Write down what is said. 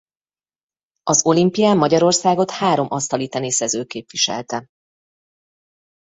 Az olimpián Magyarországot három asztaliteniszező képviselte.